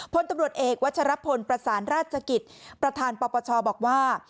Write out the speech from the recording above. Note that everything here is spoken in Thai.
พลตำรวจเอกวัชรพลประสานราชกิจประธานปปชบอกว่า